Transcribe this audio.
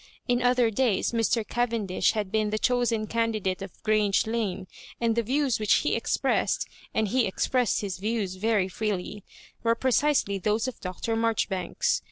In other days Mr. Cavendish bad been the chosen candidate of G range Lane ; and the views which he expressed (and he expressed his views very freely) were precisely those of Dr. Maijoribanks.